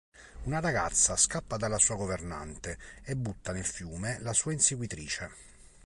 Una ragazza scappa dalla sua governante e butta nel fiume la sua inseguitrice.